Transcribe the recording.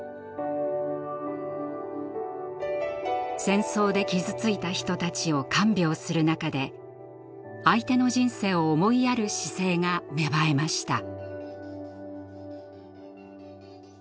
戦争で傷ついた人たちを看病する中で相手の人生を思いやる姿勢が芽生えました。